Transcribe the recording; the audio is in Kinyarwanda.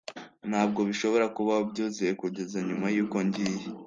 ntabwo bishobora kubaho byuzuye kugeza nyuma yuko ngiye